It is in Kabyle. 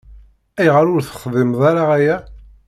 Ayɣer ur texdimeḍ ara aya?